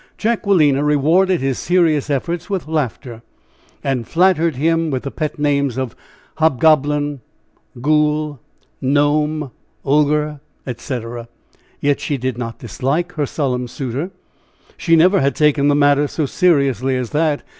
Jacquelina rewarded his serious efforts with laughter, and flattered him with the pet names of Hobgoblin, Ghoul, Gnome, Ogre, etc. Yet she did not dislike her solemn suitor she never had taken the matter so seriously as that!